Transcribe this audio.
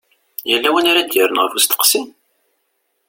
Yella win ara d-yerren ɣef usteqsi?